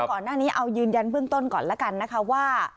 ก่อนหน้านี้เอายืนยันเบื้องต้นก่อนแล้วกันนะคะว่า